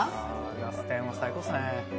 ナス天は最高ですね。